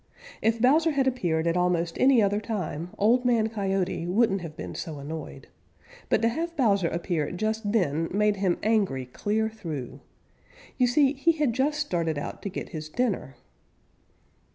If Bowser had appeared at almost any other time Old Man Coyote wouldn't have been so annoyed. But to have Bowser appear just then made him angry clear through. You see he had just started out to get his dinner.